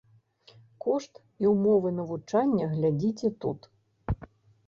Кошт і ўмовы навучання глядзіце тут.